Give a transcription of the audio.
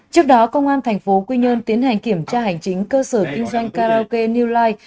trước đó công an tp quy nhơn tiến hành kiểm tra hành chính cơ sở kinh doanh karaoke new life